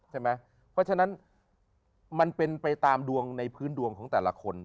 ใช่ไหมเพราะฉะนั้นมันเป็นไปตามดวงในพื้นดวงของแต่ละคน